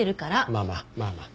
まあまあまあまあ。